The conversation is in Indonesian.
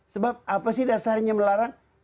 sebab apa sih dasarnya melarang